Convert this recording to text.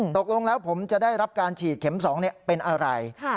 ตกลงแล้วผมจะได้รับการฉีดเข็ม๒เป็นอะไร